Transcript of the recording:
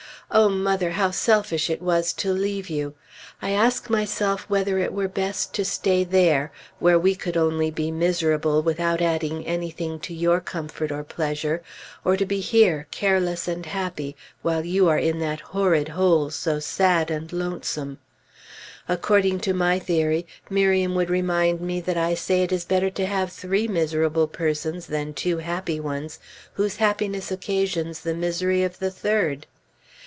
O mother, how selfish it was to leave you! I ask myself whether it were best to stay there where we would only be miserable without adding anything to your comfort or pleasure, or to be here, careless and happy while you are in that horrid hole so sad and lonesome. According to my theory, Miriam would remind me that I say it is better to have three miserable persons than two happy ones whose happiness occasions the misery of the third.